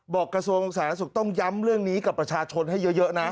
กระทรวงสาธารณสุขต้องย้ำเรื่องนี้กับประชาชนให้เยอะนะ